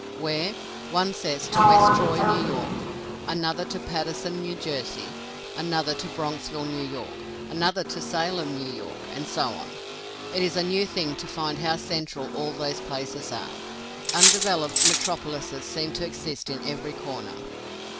Where? One says to West Troy, New York; another to Patterson, New Jersey; another to Bronxville, New York; another, to Salem, New York, and so on! It is a new thing to find how central all those places are. Undeveloped metropolises seem to exist in every corner.